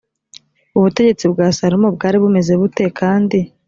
ubutegetsi bwa salomo bwari bumeze bute kandi